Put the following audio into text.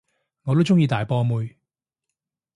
我都鍾意大波妹